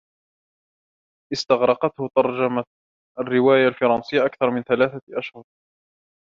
استغرقته ترجمة الرواية الفرنسية أكثر من ثلاثة أشهر.